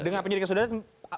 dengan penyidik yang sudah ada